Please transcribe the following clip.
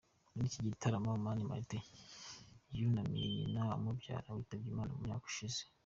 Muri iki gitaramo Mani Martin yunamiye nyina umubyara witabye Imana mu myaka yashize.